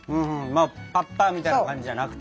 パッパみたいな感じじゃなくてね。